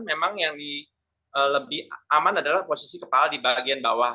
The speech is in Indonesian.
memang yang lebih aman adalah posisi kepala di bagian bawah